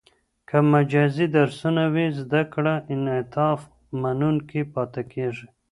که مجازي درسونه وي، زده کړه انعطاف منونکې پاته کېږي.